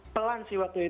pelan sih waktu itu